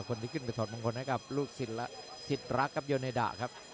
คนที่ขึ้นไปถอดมงคลให้กับลูกศิลป์ศิษย์รักกับโยเนดาครับ